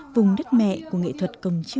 vùng đất mẹ của nghệ thuật